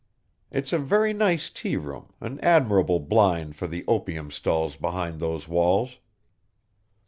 It's a very nice tea room, an admirable blind for the opium stalls behind those walls."